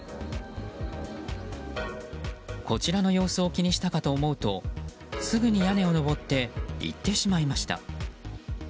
こちらの様子を気にしたかと思うとすぐに屋根を上って行ってしまいました。